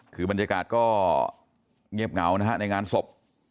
คือบรรยากาศก็เงียบเหงานะฮะในงานศพ